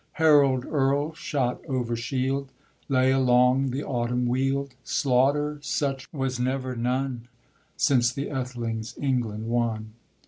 Harold Earl, shot over shield, Lay along the autumn weald; Slaughter such was never none Since the Ethelings England won.